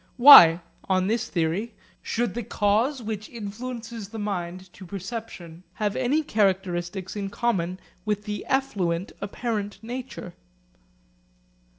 Why on this theory should the cause which influences the mind to perception have any characteristics in common with the effluent apparent nature?